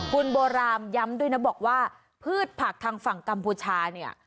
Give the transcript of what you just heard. คุณโบรามย้ำด้วยนะบอกว่าพืชผักทางฝั่งกัมพูชาเนี่ย